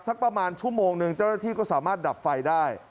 สักประมาณชั่วโมงหนึ่งเจ้าหน้าที่ก็สามารถดับไฟได้